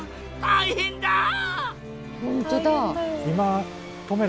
大変だよ。